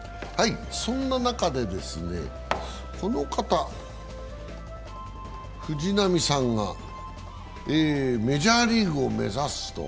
そんな中で、この方、藤浪さんがメジャーリーグを目指すと。